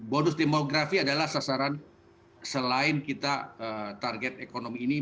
bonus demografi adalah sasaran selain kita target ekonomi ini